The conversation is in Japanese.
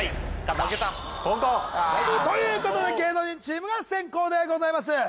後攻ということで芸能人チームが先攻でございます